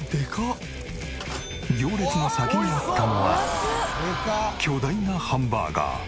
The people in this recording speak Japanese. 行列の先にあったのは巨大なハンバーガー。